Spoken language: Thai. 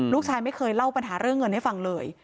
ลูกชายไม่เคยเล่าปัญหาเรื่องเงินให้ฟังเลย